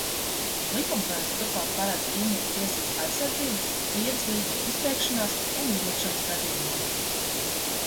Likumprojekts turklāt paredz īrnieku tiesību aizsardzību īres līguma izbeigšanās un izlikšanas gadījumā.